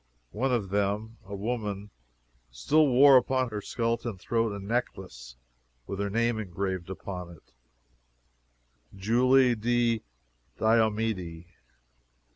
One of them, a woman, still wore upon her skeleton throat a necklace, with her name engraved upon it JULIE DI DIOMEDE.